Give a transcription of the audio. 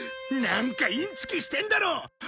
なんかインチキしてんだろ！